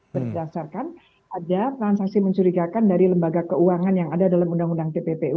berdasarkan ada transaksi mencurigakan dari lembaga keuangan yang ada dalam undang undang tppu